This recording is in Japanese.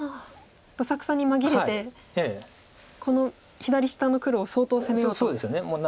どさくさに紛れてこの左下の黒を相当攻めようと。